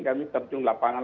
kami terpunggung lapangan